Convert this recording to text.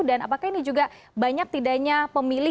dan apakah ini juga banyak tidaknya pemilu